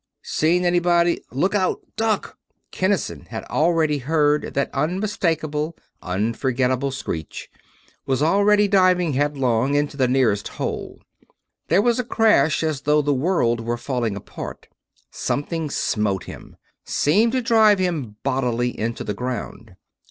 "Seen anybody Look out! Duck!" Kinnison had already heard that unmistakable, unforgettable screech, was already diving headlong into the nearest hole. There was a crash as though the world were falling apart. Something smote him; seemed to drive him bodily into the ground.